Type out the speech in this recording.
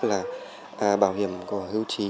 là bảo hiểm có hưu trí